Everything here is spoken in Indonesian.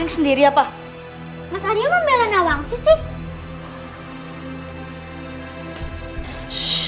ini maksudnya si weng prayed parents